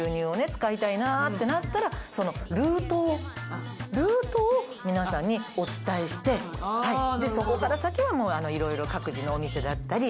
使いたいなってなったらそのルートをルートを皆さんにお伝えしてそこから先は色々各自のお店だったり。